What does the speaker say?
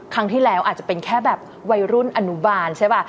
ครั้งที่แล้วอาจจะเป็นแค่แบบวัยรุ่นอนุบาลใช่ป่ะ